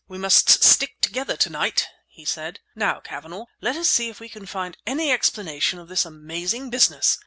"We must stick together to night!" he said. "Now, Cavanagh, let us see if we can find any explanation of this amazing business.